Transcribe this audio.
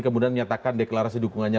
kemudian menyatakan deklarasi dukungannya